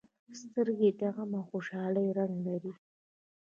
سترګې د غم او خوشالۍ رنګ لري